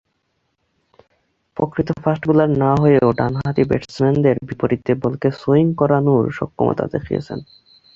প্রকৃত fast bowler না হলেও ডানহাতি ব্যাটসম্যানদের বিপরীতে বলকে সুইং করানোয় সক্ষমতা দেখিয়েছেন।